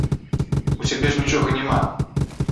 У цябе ж нічога няма.